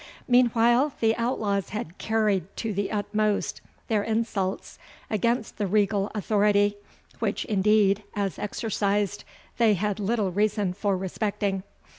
Meanwhile the outlaws had carried to the utmost their insults against the regal authority, which indeed, as exercised, they had little reason for respecting.